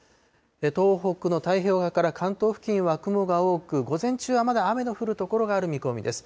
東北の太平洋側から関東付近は雲が多く、午前中はまだ雨の降る所がある見込みです。